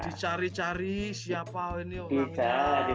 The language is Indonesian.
dicari cari siapa ini orangnya